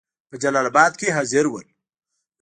په جلال آباد کې حاضر ول.